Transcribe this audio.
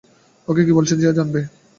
ওকে কি বলেছি যে জানবে?